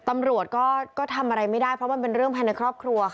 ตำรวจก็ทำอะไรไม่ได้เพราะมันเป็นเรื่องภายในครอบครัวค่ะ